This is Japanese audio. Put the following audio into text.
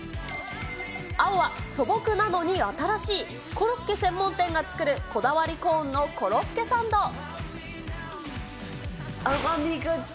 青は素朴なのに新しい、コロッケ専門店が作る、こだわりコーンのコロッケサンド。